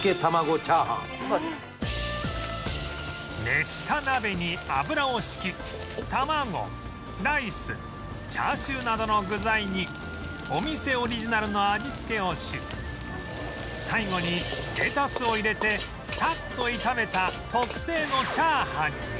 熱した鍋に油を引き卵ライスチャーシューなどの具材にお店オリジナルの味付けをし最後にレタスを入れてサッと炒めた特製のチャーハンに